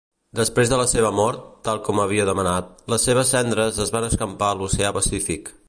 Després de la seva mort, tal com havia demanat, les seves cendres es van escampar a l'oceà Pacífic.